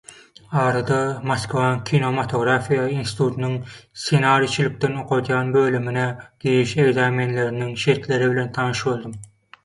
Arada, Moskwaň kinomatografiýa institutynyň ssenariçilikden okadýan bölümine giriş ekzamenleriiniň şertleri bilen tanyş boldum.